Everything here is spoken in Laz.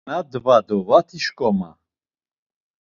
Nadva do vati şǩoma.